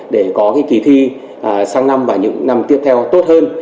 để có cái kỳ thi sáng năm và những năm tiếp theo tốt hơn